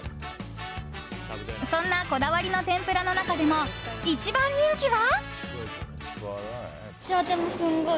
そんなこだわりの天ぷらの中でも一番人気は。